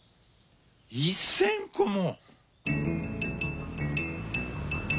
１，０００個も？